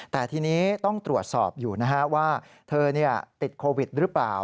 แต่ทีนี้ต้องตรวจสอบอยู่นะฮะว่าเธอติดโควิดหรือเปล่า